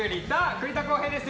栗田航兵です！